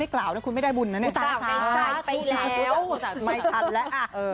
คุณไม่ได้บุญแล้วไม่ทัน